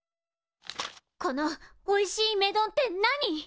このおいしい目丼って何？